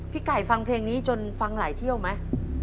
ไก่ฟังเพลงนี้จนฟังหลายเที่ยวไหม